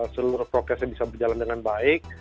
seluruh prokesnya bisa berjalan dengan baik